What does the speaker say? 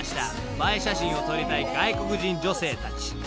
［映え写真を撮りたい外国人女性たち］